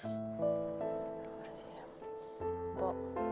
terima kasih ya mpok